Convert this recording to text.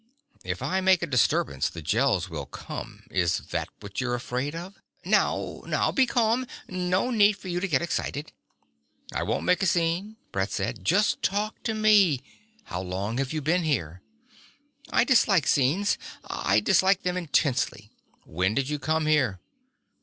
"If I make a disturbance, the Gels will come. Is that what you're afraid of?" "Now, now. Be calm. No need for you to get excited." "I won't make a scene," Brett said. "Just talk to me. How long have you been here?" "I dislike scenes. I dislike them intensely." "When did you come here?"